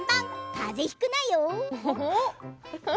かぜひくなよ！